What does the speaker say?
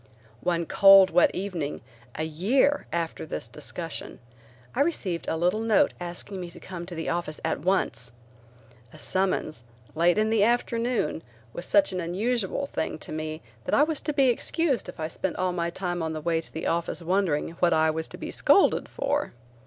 One cold, wet evening, a year after this discussion, I received a little note asking me to come to the office at once. A summons, late in the afternoon, was such an unusual thing to me that I was to be excused if I spent all my time on the way to the office wondering what I was to be scolded for.